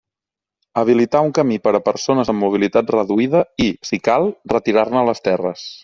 Habilitar un camí per a persones amb mobilitat reduïda, i, si cal, retirar-ne les terres.